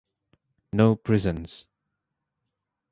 No prisons.